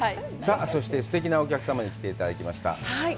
そしてすてきなお客様に来ていただきました。